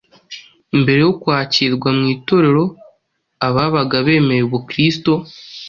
Mbere yo kwakirwa mu Itorero ababaga bemeye Ubukristo,